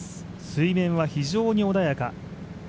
水面は非常に穏やか。